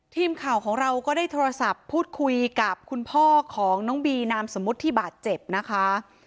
ทีมข่าวของเราก็ได้โทรศัพท์พูดคุยกับคุณพ่อของน้องบีนามสมมุติที่บาดเจ็บนะคะ